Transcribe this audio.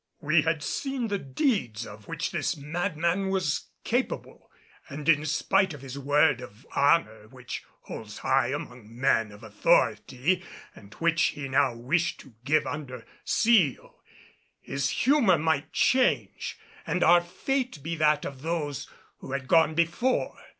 We had seen the deeds of which this madman was capable; and in spite of his word of honor, which holds high among men of authority, and which he now wished to give under seal, his humor might change and our fate be that of those who had gone before.